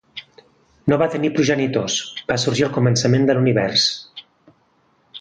No va tenir progenitors: va sorgir al començament de l'univers.